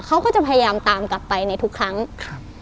เขาก็จะพยายามตามกลับไปในทุกครั้งครับ